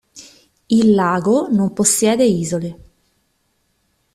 Il lago non possiede isole.